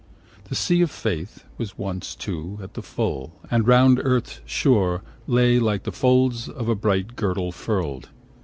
20 The Sea of Faith Was once, too, at the full, and round earth's shore Lay like the folds of a bright girdle furl'd.